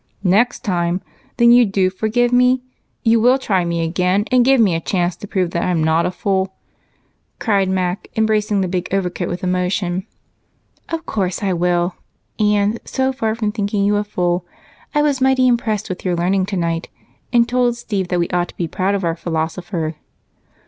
"Next time! Then you do forgive me? You will try me again, and give me a chance to prove that I'm not a fool?" cried Mac, embracing the big coat with emotion. "Of course I will, and, so far from thinking you a fool, I was much impressed with your learning tonight and told Steve that we ought to be proud of our philosopher."